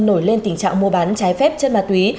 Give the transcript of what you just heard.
nổi lên tình trạng mua bán trái phép chất ma túy